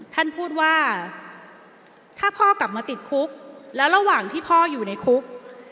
ท่านพูดว่าถ้าพ่อกลับมาติดคุกแล้วระหว่างที่พ่ออยู่ในคุก